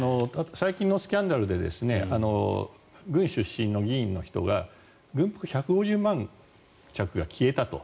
最近のスキャンダルで軍出身の議員の人が軍服１５０万着が消えたと。